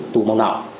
tù mong nào